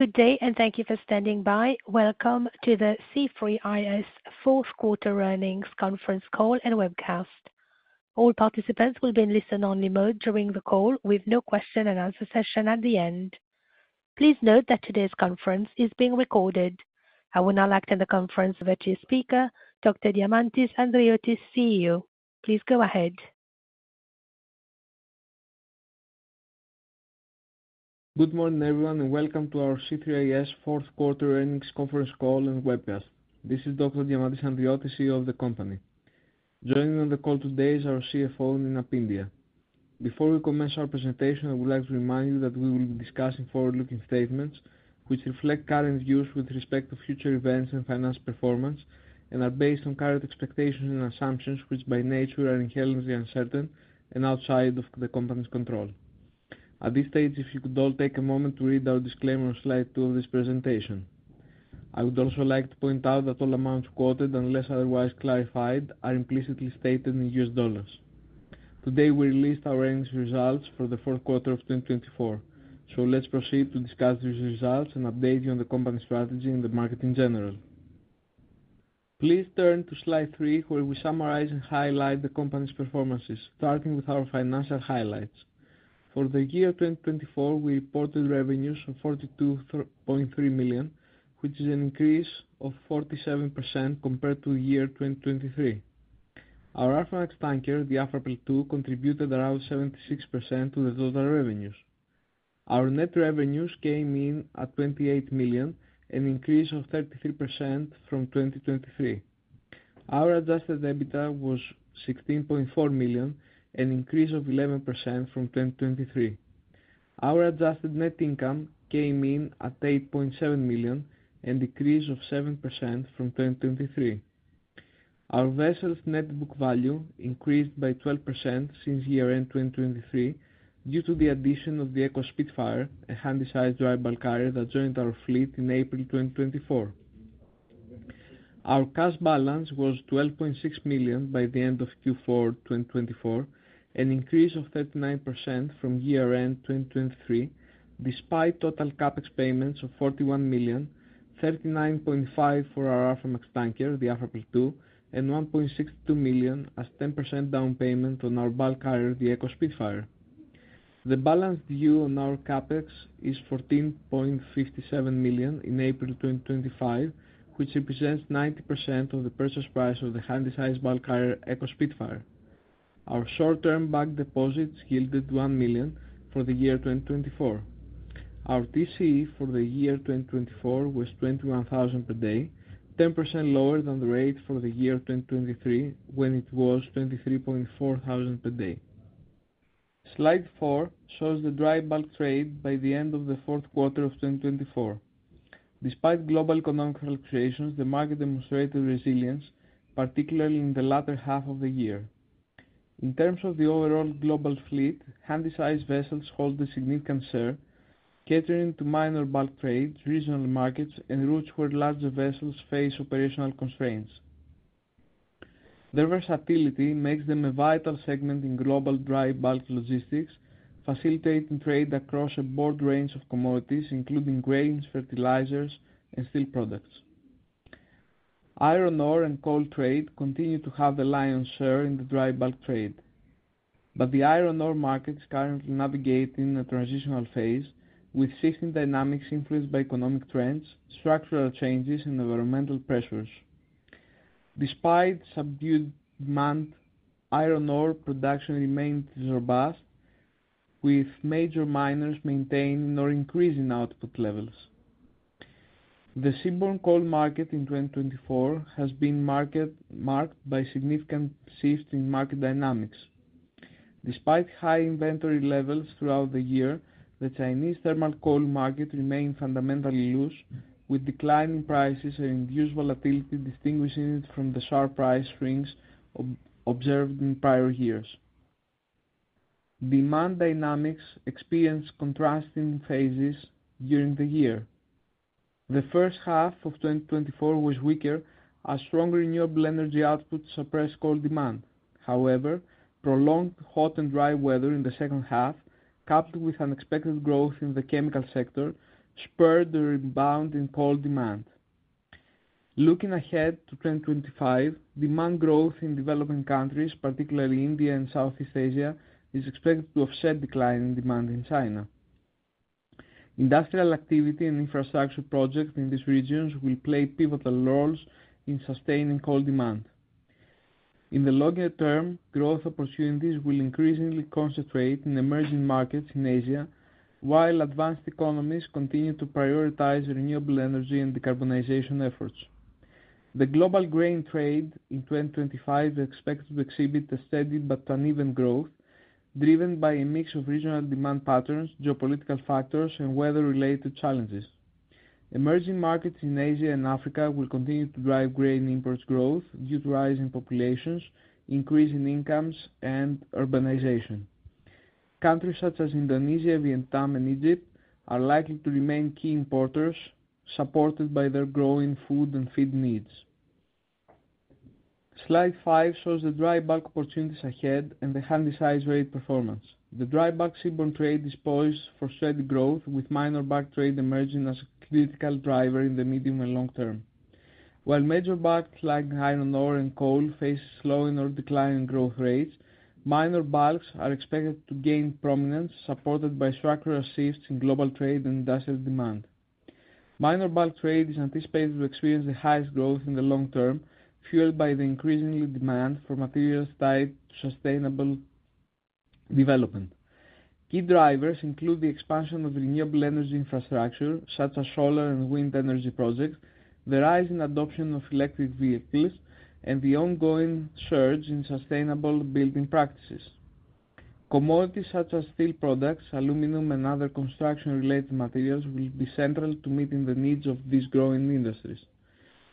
Good day, and thank you for standing by. Welcome to the C3is Q4 Earnings Conference Call and webcast. All participants will be in listen-only mode during the call, with no question-and-answer session at the end. Please note that today's conference is being recorded. I will now act on the conference. Over to your speaker, Dr. Diamantis Andriotis, CEO. Please go ahead. Good morning, everyone, and welcome to our C3is Q4 learning conference call and webcast. This is Dr. Diamantis Andriotis, CEO of the company. Joining on the call today is our CFO, Nina Pyndiah. Before we commence our presentation, I would like to remind you that we will be discussing forward-looking statements which reflect current views with respect to future events and finance performance, and are based on current expectations and assumptions which, by nature, are inherently uncertain and outside of the company's control. At this stage, if you could all take a moment to read our disclaimer on slide two of this presentation. I would also like to point out that all amounts quoted, unless otherwise clarified, are implicitly stated in US dollars. Today, we released our earnings results for the Q4 of 2024, so let's proceed to discuss these results and update you on the company's strategy and the market in general. Please turn to slide three, where we summarize and highlight the company's performances, starting with our financial highlights. For the year 2024, we reported revenues of $42.3 million, which is an increase of 47% compared to the year 2023. Our Aframax tanker, the Afrapearl II, contributed around 76% to the total revenues. Our net revenues came in at $28 million, an increase of 33% from 2023. Our adjusted EBITDA was $16.4 million, an increase of 11% from 2023. Our adjusted net income came in at $8.7 million, an increase of 7% from 2023. Our vessel's net book value increased by 12% since year-end 2023 due to the addition of the Eco Spitfire, a handy size dry bulk carrier that joined our fleet in April 2024. Our cash balance was $12.6 million by the end of Q4 2024, an increase of 39% from year-end 2023, despite total CapEx payments of $41 million, $39.5 million for our Aframax tanker, the Afrapearl II, and $1.62 million as a 10% down payment on our bulk carrier, the Eco Spitfire. The balance due on our CapEx is $14.57 million in April 2025, which represents 90% of the purchase price of the handysize bulk carrier, Eco Spitfire. Our short-term bank deposits yielded $1 million for the year 2024. Our TCE for the year 2024 was $21,000 per day, 10% lower than the rate for the year 2023, when it was $23,400 per day. Slide four shows the dry bulk trade by the end of the Q4 of 2024. Despite global economic fluctuations, the market demonstrated resilience, particularly in the latter half of the year. In terms of the overall global fleet, handysize vessels hold a significant share, catering to minor bulk trades, regional markets, and routes where larger vessels face operational constraints. Their versatility makes them a vital segment in global dry bulk logistics, facilitating trade across a broad range of commodities, including grains, fertilizers, and steel products. Iron ore and coal trade continue to have the lion's share in the dry bulk trade, but the iron ore market is currently navigating a transitional phase, with shifting dynamics influenced by economic trends, structural changes, and environmental pressures. Despite subdued demand, iron ore production remains robust, with major miners maintaining or increasing output levels. The seaborne coal market in 2024 has been marked by significant shifts in market dynamics. Despite high inventory levels throughout the year, the Chinese thermal coal market remained fundamentally loose, with declining prices and induced volatility distinguishing it from the sharp price swings observed in prior years. Demand dynamics experienced contrasting phases during the year. The first half of 2024 was weaker, as strong renewable energy output suppressed coal demand. However, prolonged hot and dry weather in the second half, coupled with unexpected growth in the chemical sector, spurred a rebound in coal demand. Looking ahead to 2025, demand growth in developing countries, particularly India and Southeast Asia, is expected to offset decline in demand in China. Industrial activity and infrastructure projects in these regions will play pivotal roles in sustaining coal demand. In the longer term, growth opportunities will increasingly concentrate in emerging markets in Asia, while advanced economies continue to prioritize renewable energy and decarbonization efforts. The global grain trade in 2025 is expected to exhibit a steady but uneven growth, driven by a mix of regional demand patterns, geopolitical factors, and weather-related challenges. Emerging markets in Asia and Africa will continue to drive grain imports growth due to rising populations, increasing incomes, and urbanization. Countries such as Indonesia, Vietnam, and Egypt are likely to remain key importers, supported by their growing food and feed needs. Slide five shows the dry bulk opportunities ahead and the handysize rate performance. The dry bulk seaborne trade is poised for steady growth, with minor bulk trade emerging as a critical driver in the medium and long term. While major bulks like iron ore and coal face slowing or declining growth rates, minor bulks are expected to gain prominence, supported by structural shifts in global trade and industrial demand. Minor bulk trade is anticipated to experience the highest growth in the long term, fueled by the increasing demand for materials tied to sustainable development. Key drivers include the expansion of renewable energy infrastructure, such as solar and wind energy projects, the rising adoption of electric vehicles, and the ongoing surge in sustainable building practices. Commodities such as steel products, aluminum, and other construction-related materials will be central to meeting the needs of these growing industries.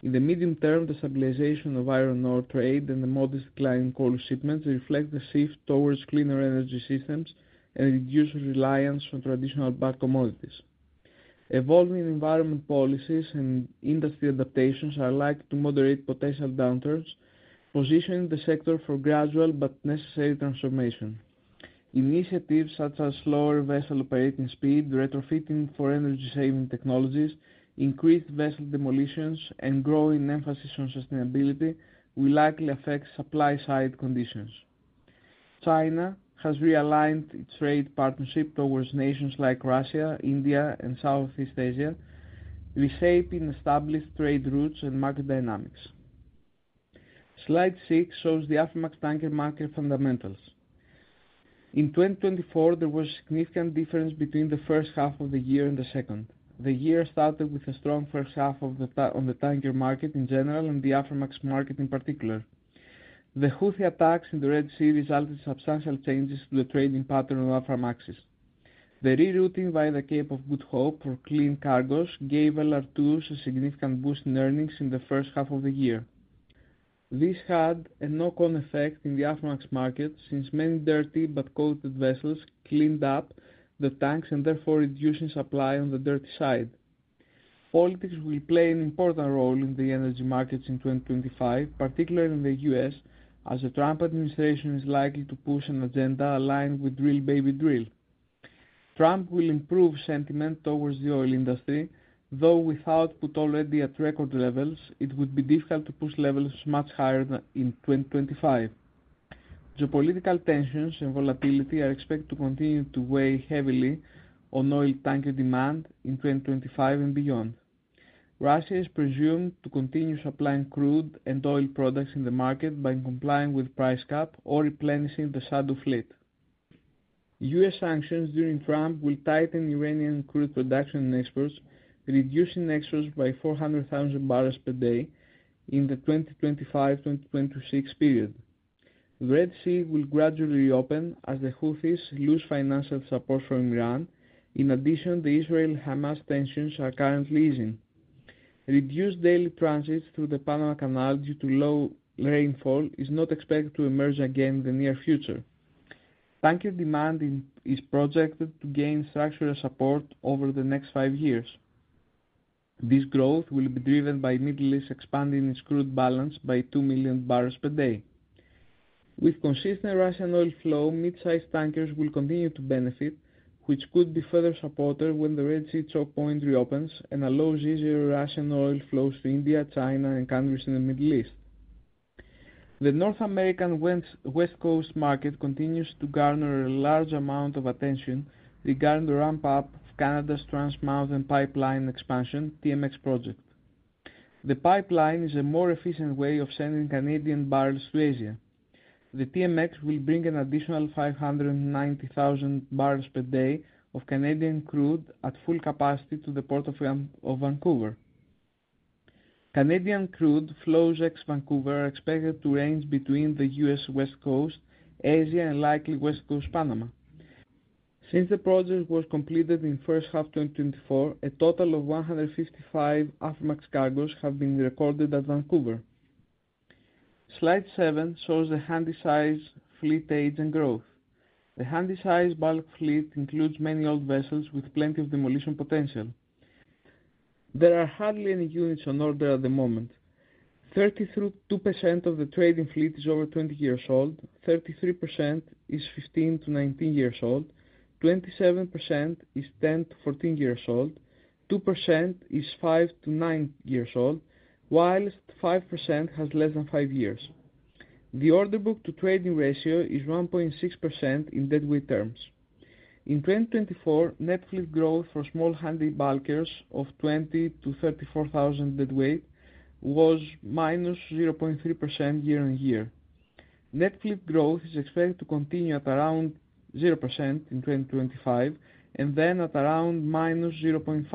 In the medium term, the stabilization of iron ore trade and the modest decline in coal shipments reflect a shift towards cleaner energy systems and reduced reliance on traditional bulk commodities. Evolving environment policies and industry adaptations are likely to moderate potential downturns, positioning the sector for gradual but necessary transformation. Initiatives such as slower vessel operating speed, retrofitting for energy-saving technologies, increased vessel demolitions, and growing emphasis on sustainability will likely affect supply-side conditions. China has realigned its trade partnership towards nations like Russia, India, and Southeast Asia, reshaping established trade routes and market dynamics. Slide six shows the Aframax tanker market fundamentals. In 2024, there was a significant difference between the first half of the year and the second. The year started with a strong first half on the Aframax market in general and the Aframax market in particular. The Houthi attacks in the Red Sea resulted in substantial changes to the trading pattern of Aframaxes. The rerouting via the Cape of Good Hope for clean cargoes gave LRs a significant boost in earnings in the first half of the year. This had a knock-on effect in the Aframax market since many dirty but coated vessels cleaned up the tanks and therefore reducing supply on the dirty side. Politics will play an important role in the energy markets in 2025, particularly in the U.S., as the Trump administration is likely to push an agenda aligned with Drill Baby Drill. Trump will improve sentiment towards the oil industry, though with output oil at record levels, it would be difficult to push levels much higher in 2025. Geopolitical tensions and volatility are expected to continue to weigh heavily on oil tanker demand in 2025 and beyond. Russia is presumed to continue supplying crude and oil products in the market by complying with the price cap or replenishing the shadow fleet. U.S. sanctions during Trump will tighten Iranian crude production exports, reducing exports by 400,000 barrels per day in the 2025-2026 period. The Red Sea will gradually reopen as the Houthis lose financial support from Iran. In addition, the Israel-Hamas tensions are currently easing. Reduced daily transit through the Panama Canal due to low rainfall is not expected to emerge again in the near future. Tanker demand is projected to gain structural support over the next five years. This growth will be driven by the Middle East expanding its crude balance by 2 million barrels per day. With consistent Russian oil flow, mid-sized tankers will continue to benefit, which could be further supportive when the Red Sea choke point reopens and allows easier Russian oil flows to India, China, and countries in the Middle East. The North American West Coast market continues to garner a large amount of attention regarding the ramp-up of Canada's Trans Mountain Pipeline expansion, TMX project. The pipeline is a more efficient way of sending Canadian barrels to Asia. The TMX will bring an additional 590,000 barrels per day of Canadian crude at full capacity to the port of Vancouver. Canadian crude flows ex-Vancouver are expected to range between the US West Coast, Asia, and likely West Coast Panama. Since the project was completed in the first half of 2024, a total of 155 Aframax tankers have been recorded at Vancouver. Slide seven shows the Handysize fleet age and growth. The handysize bulk fleet includes many old vessels with plenty of demolition potential. There are hardly any units on order at the moment. 32% of the trading fleet is over 20 years old, 33% is 15-19 years old, 27% is 10-14 years old, 2% is 5-9 years old, while 5% has less than 5 years. The order book to trading ratio is 1.6% in deadweight terms. In 2024, net fleet growth for small handy bulkers of 20,000-34,000 deadweight was minus 0.3.% year on year Net fleet growth is expected to continue at around 0% in 2025 and then at around minus 0.5%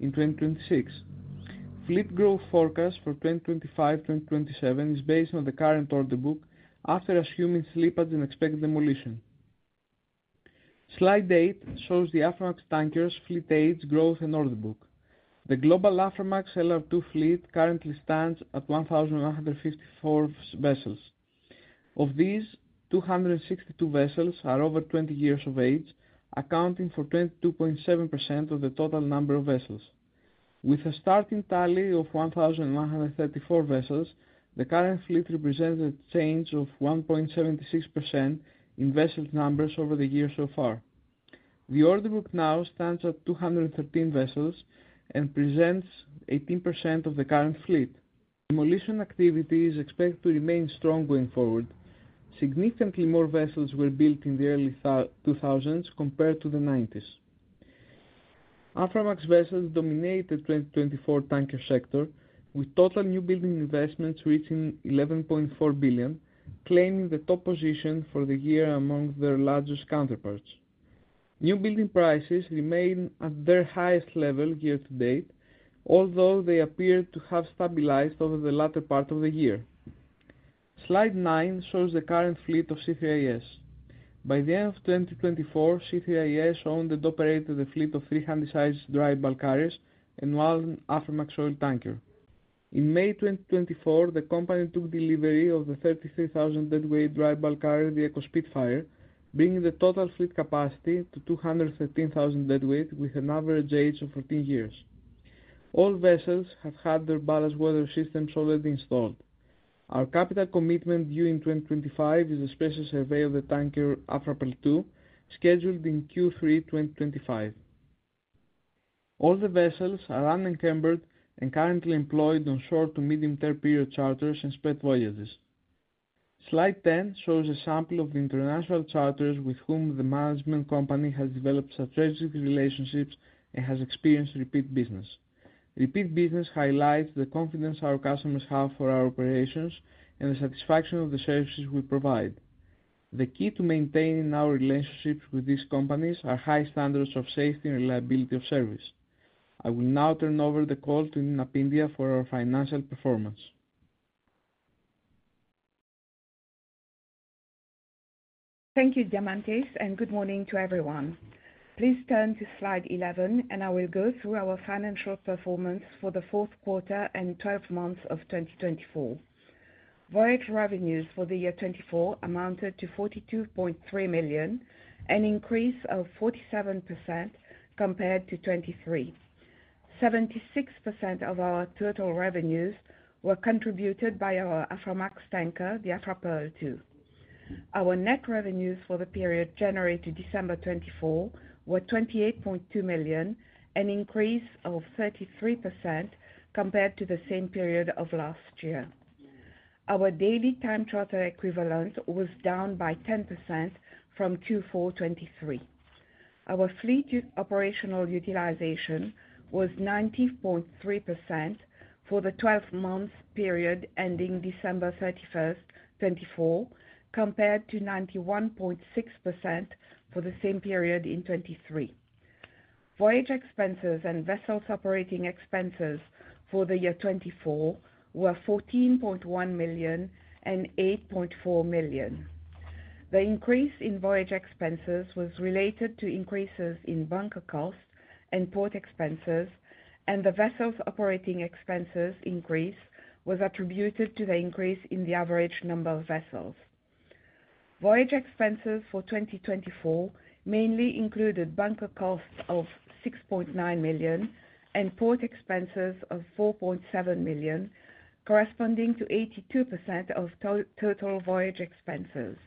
in 2026. Fleet growth forecast for 2025-2027 is based on the current order book after assuming slippage and the expected demolition. Slide eight shows the aftermarket stance, fleet age growth, and order book. The global after-market LRT fleet currently stands at 1,154 vessels. Of these, 262 vessels are over 20 years of age, accounting for 22.7% of the total number of vessels. With a starting tally of 1,134 vessels, the current fleet represents a change of 1.76% in vessel numbers over the years so far. The order book now stands at 213 vessels and presents 18% of the current fleet. Demolition activity is expected to remain strong going forward. Significantly more vessels were built in the early 2000s compared to the 1990s. After-market vessels dominate the 2024 stancure sector, with total new building investments reaching $11.4 billion, claiming the top position for the year among their largest counterparts. New building prices remain at their highest level year to date, although they appear to have stabilized over the latter part of the year. Slide nine shows the current fleet of C3is. By the end of 2024, C3is owned and operated a fleet of three Handysize dry bulk carriers and one Aframax oil tanker. In May 2024, the company took delivery of the 33,000 deadweight Handysize dry bulk carrier, the Eco Spitfire, bringing the total fleet capacity to 213,000 deadweight with an average age of 14 years. All vessels have had their ballast water systems already installed. Our capital commitment due in 2025 is the special survey of the tanker Afrapearl II, scheduled in Q3 2025. All the vessels are unencumbered and currently employed on short to medium-term period charters and spot voyages. Slide 10 shows a sample of the international charters with whom the management company has developed strategic relationships and has experienced repeat business. Repeat business highlights the confidence our customers have for our operations and the satisfaction of the services we provide. The key to maintaining our relationships with these companies are high standards of safety and reliability of service. I will now turn over the call to Nina Pyndiah for our financial performance. Thank you, Diamantis, and good morning to everyone. Please turn to slide 11, and I will go through our financial performance for the Q4 and 12 months of 2024. Voyage revenues for the year 2024 amounted to $42.3 million, an increase of 47% compared to 2023. 76% of our total revenues were contributed by our Aframax tanker, the Afrapearl II. Our net revenues for the period January to December 2024 were $28.2 million, an increase of 33% compared to the same period of last year. Our daily time charter equivalent was down by 10% from Q4 2023. Our fleet operational utilization was 90.3% for the 12-month period ending December 31, 2024, compared to 91.6% for the same period in 2023. Voyage expenses and vessels operating expenses for the year 2024 were $14.1 million and $8.4 million. The increase in voyage expenses was related to increases in bunker costs and port expenses, and the vessels operating expenses increase was attributed to the increase in the average number of vessels. Voyage expenses for 2024 mainly included bunker costs of $6.9 million and port expenses of $4.7 million, corresponding to 82% of total voyage expenses.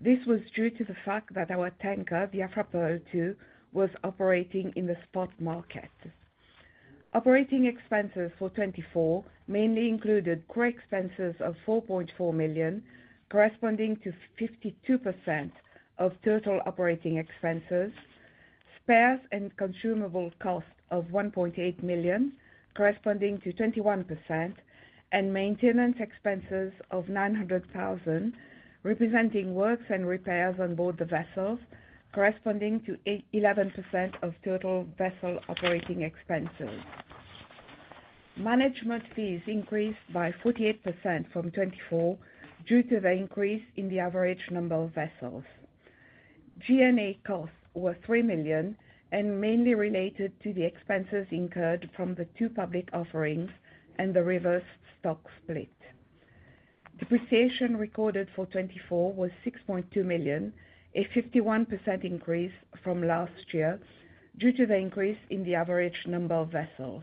This was due to the fact that our tanker, the Afrapearl II, was operating in the spot market. Operating expenses for 2024 mainly included core expenses of $4.4 million, corresponding to 52% of total operating expenses, spares and consumable costs of $1.8 million, corresponding to 21%, and maintenance expenses of $900,000, representing works and repairs on board the vessels, corresponding to 11% of total vessel operating expenses. Management fees increased by 48% from 2024 due to the increase in the average number of vessels. G&A costs were $3 million and mainly related to the expenses incurred from the two public offerings and the reverse stock split. Depreciation recorded for 2024 was $6.2 million, a 51% increase from last year due to the increase in the average number of vessels.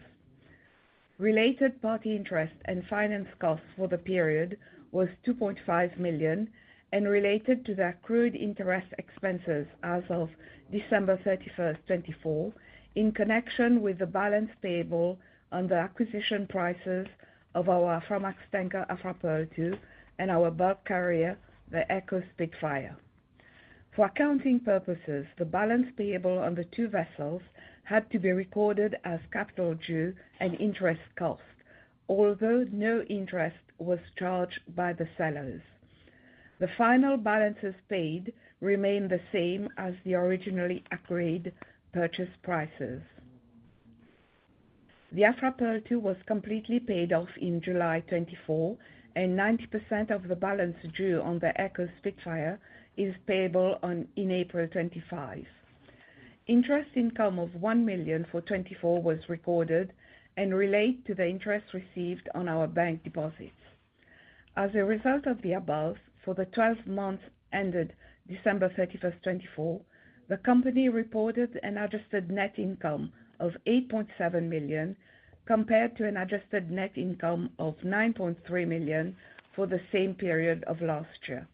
Related party interest and finance costs for the period was $2.5 million and related to the accrued interest expenses as of December 31, 2024, in connection with the balance payable on the acquisition prices of our Aframax tanker Afrapearl II and our bulk carrier, the Eco Spitfire. For accounting purposes, the balance payable on the two vessels had to be recorded as capital due and interest cost, although no interest was charged by the sellers. The final balances paid remained the same as the originally agreed purchase prices. The Afrapearl II was completely paid off in July 2024, and 90% of the balance due on the Eco Spitfire is payable in April 2025. Interest income of $1 million for 2024 was recorded and related to the interest received on our bank deposits. As a result of the above, for the 12 months ended December 31, 2024, the company reported an adjusted net income of $8.7 million compared to an adjusted net income of $9.3 million for the same period of last year,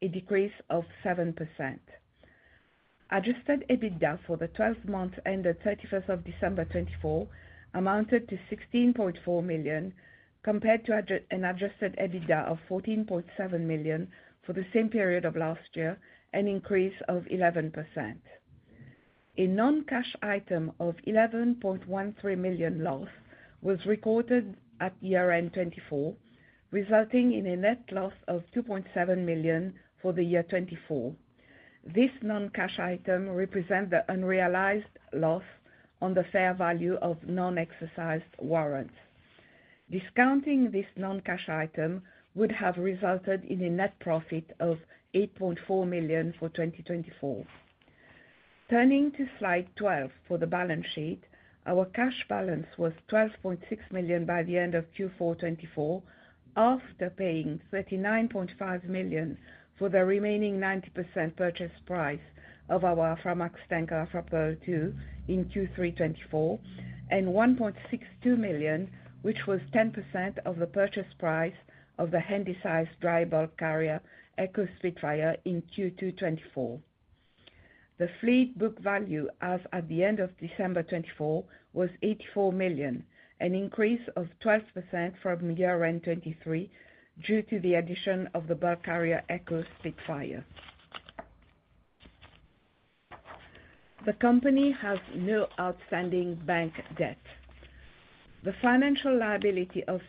a decrease of 7%. Adjusted EBITDA for the 12 months ended December 31, 2024 amounted to $16.4 million compared to an adjusted EBITDA of $14.7 million for the same period of last year, an increase of 11%. A non-cash item of $11.13 million loss was recorded at year-end 2024, resulting in a net loss of $2.7 million for the year 2024. This non-cash item represents the unrealized loss on the fair value of non-exercised warrants. Discounting this non-cash item would have resulted in a net profit of $8.4 million for 2024. Turning to slide 12 for the balance sheet, our cash balance was $12.6 million by the end of Q4 2024, after paying $39.5 million for the remaining 90% purchase price of our Aframax tanker Afrapearl II in Q3 2024, and $1.62 million, which was 10% of the purchase price of the Handysize drybulk carrier, Eco Spitfire, in Q2 2024. The fleet book value as at the end of December 2024 was $84 million, an increase of 12% from year-end 2023 due to the addition of the bulk carrier, Eco Spitfire. The company has no outstanding bank debt. The financial liability of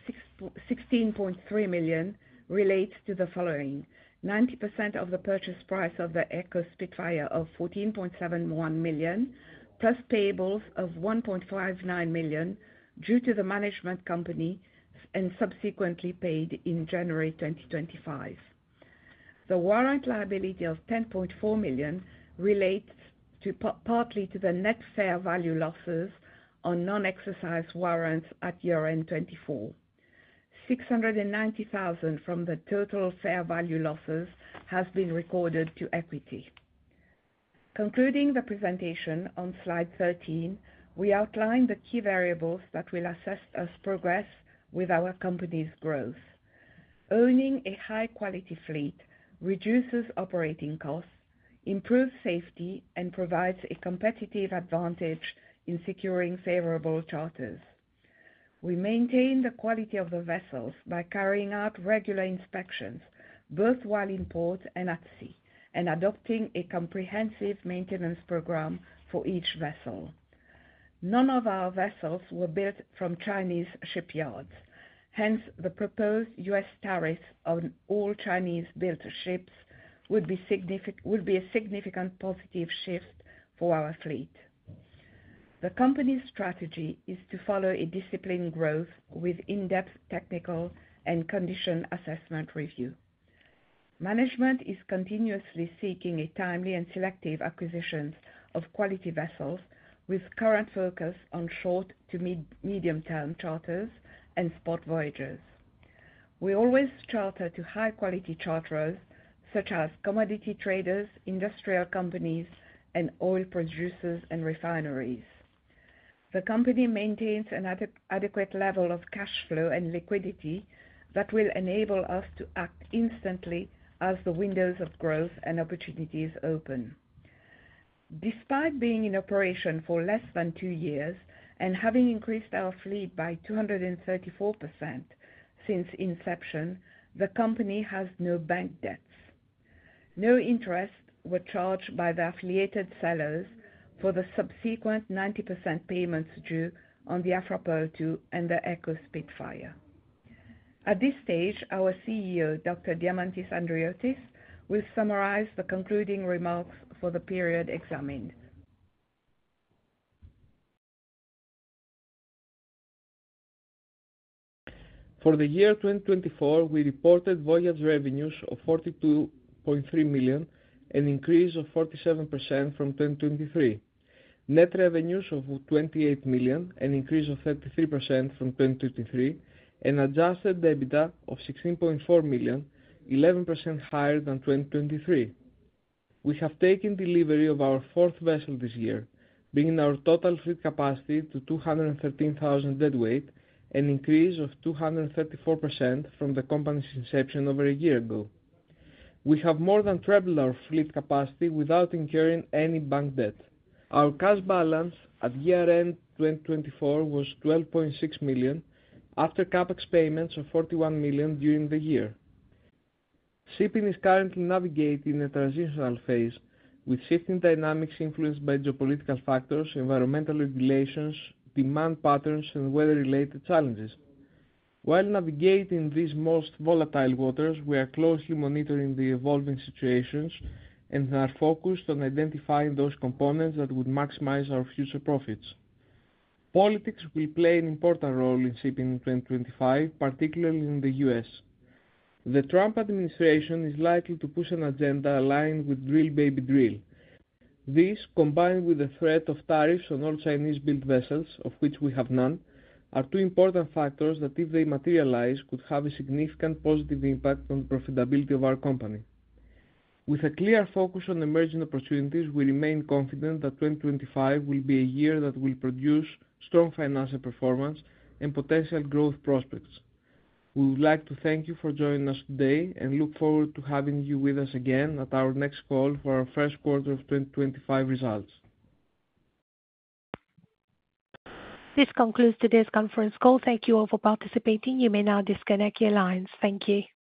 $16.3 million relates to the following: 90% of the purchase price of the Eco Spitfire of $14.71 million, plus payables of $1.59 million due to the management company and subsequently paid in January 2025. The warrant liability of $10.4 million relates partly to the net fair value losses on non-exercised warrants at year-end 2024. $690,000 from the total fair value losses has been recorded to equity. Concluding the presentation on slide 13, we outline the key variables that we'll assess as progress with our company's growth. Owning a high-quality fleet reduces operating costs, improves safety, and provides a competitive advantage in securing favorable charters. We maintain the quality of the vessels by carrying out regular inspections, both while in port and at sea, and adopting a comprehensive maintenance program for each vessel. None of our vessels were built from Chinese shipyards. Hence, the proposed U.S. tariffs on all Chinese-built ships would be a significant positive shift for our fleet. The company's strategy is to follow a disciplined growth with in-depth technical and condition assessment review. Management is continuously seeking timely and selective acquisitions of quality vessels, with current focus on short to medium-term charters and spot voyages. We always charter to high-quality charters, such as commodity traders, industrial companies, and oil producers and refineries. The company maintains an adequate level of cash flow and liquidity that will enable us to act instantly as the windows of growth and opportunities open. Despite being in operation for less than two years and having increased our fleet by 234% since inception, the company has no bank debts. No interests were charged by the affiliated sellers for the subsequent 90% payments due on the Afrapearll II and the Eco Spitfire. At this stage, our CEO, Dr. Diamantis Andriotis, will summarize the concluding remarks for the period examined. For the year 2024, we reported voyage revenues of $42.3 million, an increase of 47% from 2023. Net revenues of $28 million, an increase of 33% from 2023, and adjusted EBITDA of $16.4 million, 11% higher than 2023. We have taken delivery of our fourth vessel this year, bringing our total fleet capacity to 213,000 deadweight, an increase of 234% from the company's inception over a year ago. We have more than tripled our fleet capacity without incurring any bank debt. Our cash balance at year-end 2024 was $12.6 million after CapEx payments of $41 million during the year. Shipping is currently navigating a transitional phase, with shifting dynamics influenced by geopolitical factors, environmental regulations, demand patterns, and weather-related challenges. While navigating these most volatile waters, we are closely monitoring the evolving situations and are focused on identifying those components that would maximize our future profits. Politics will play an important role in shipping in 2025, particularly in the U.S. The Trump administration is likely to push an agenda aligned with drill, baby, drill. This, combined with the threat of tariffs on all Chinese-built vessels, of which we have none, are two important factors that, if they materialize, could have a significant positive impact on the profitability of our company. With a clear focus on emerging opportunities, we remain confident that 2025 will be a year that will produce strong financial performance and potential growth prospects. We would like to thank you for joining us today and look forward to having you with us again at our next call for our Q1 of 2025 results. This concludes today's conference call. Thank you all for participating. You may now disconnect your lines. Thank you.